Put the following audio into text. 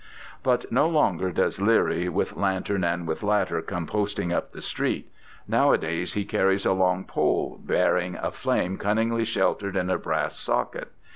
But no longer does Leerie "with lantern and with ladder come posting up the street." Nowadays he carries a long pole bearing a flame cunningly sheltered in a brass socket.